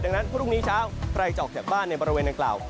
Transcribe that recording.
ดังนั้นพรุ่งนี้เช้าใครจะออกจากบ้านในบริเวณดังกล่าว